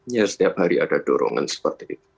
ya setiap hari ada dorongan seperti itu